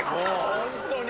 本当に。